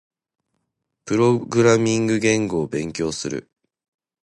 プログラミング言語を勉強する。